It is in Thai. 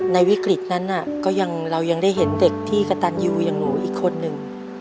ในวิกฤตนั้นเรายังได้เห็นเด็กที่กระตันยูอย่างหนูอีกคนนึง